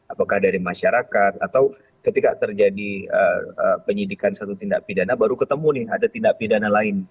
apakah dari masyarakat atau ketika terjadi penyidikan satu tindak pidana baru ketemu nih ada tindak pidana lain